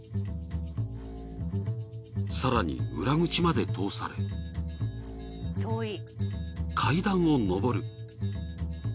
更に裏口まで通され階段を上る。